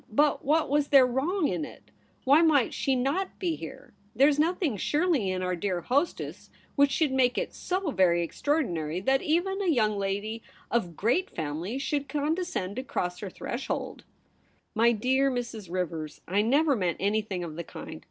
But what was there wrong in it ? Why might she not be here ? There is nothing surely in our dear hostess which should make it so very extraordinary that even a young lady of great family should condescend to cross her threshold.' ' My dear Mrs. Rivers, I never meant any thing of the kind.